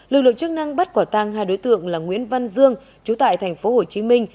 lực lượng chức năng bắt quả tăng hai đối tượng là nguyễn văn dương chú tại tp hcm